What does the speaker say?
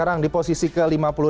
sekarang di posisi ke lima puluh enam